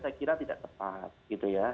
saya kira tidak tepat gitu ya